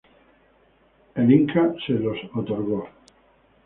El inca se los otorgó.